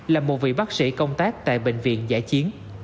là một vị bác sĩ công tác tại bệnh viện giải chiến